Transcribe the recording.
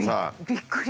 びっくり。